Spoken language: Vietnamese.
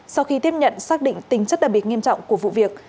sau khi tiếp nhận xác định tính chất đặc biệt nghiêm trọng của vụ việc